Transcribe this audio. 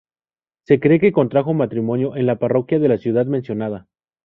Se cree que contrajo matrimonio en la parroquia de la ciudad mencionada.